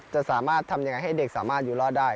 จะสามารถทำยังไงให้เด็กสามารถอยู่รอดได้